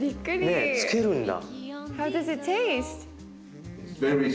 ねえつけるんだ。